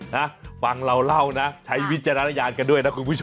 นะฟังเราเล่านะใช้วิจารณญาณกันด้วยนะคุณผู้ชม